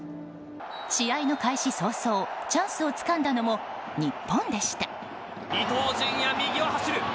試合の開始早々チャンスをつかんだのも日本でした。